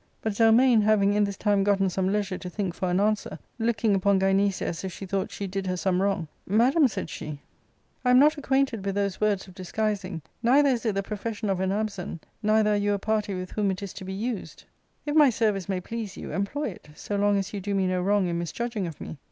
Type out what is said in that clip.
But Zelmane having in this time gotten some leisure to think for an answer, looking upon Gynecia as if she thought she did her some wrong, " Madam," said she, " I am not acquainted with those words of disguising, neither is it the profession of an Amazon, neither are you a party with whom it is to be used ; if my 124 ARCADIA.— Book TL service may please you, employ it, so long as you do me no wrong in misjudging of me."